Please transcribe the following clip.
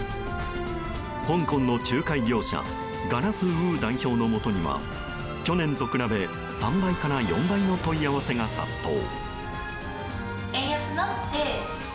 香港の仲介業者ガラス・ウー代表のもとには去年と比べ、３倍から４倍の問い合わせが殺到。